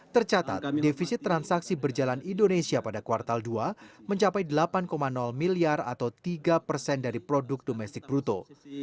tercatat defisit transaksi berjalan indonesia pada kuartal dua mencapai delapan miliar atau tiga persen dari produk domestik bruto